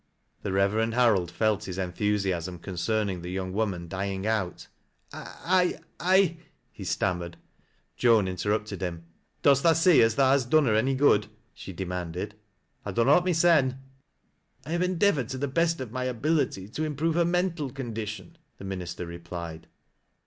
The Reverend Harold felt his enthusiasm concerning the young woman dying out. " I — I —" he stammered. Joan interrupted him, "Dost tha see as tha has done her any good ?" she de manded. " T dnnnot mysen." "I have endeavored to the best of my ability to impj ovc her mental condition," the minister replied.